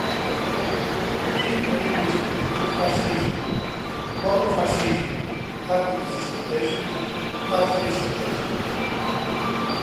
Anti-imperialistas, neofascismo, protofascismo, táticos e estratégicos, tática e estratégia